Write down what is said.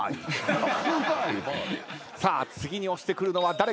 さあ次に押してくるのは誰か。